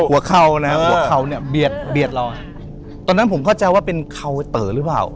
เข่านะหัวเข่าเนี่ยเบียดเบียดเราตอนนั้นผมเข้าใจว่าเป็นเข่าเต๋อหรือเปล่า